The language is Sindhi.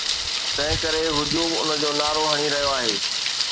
تنهن ڪري هجوم ان جو نعرو هڻي رهيو آهي.